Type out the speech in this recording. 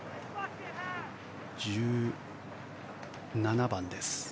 １７番です。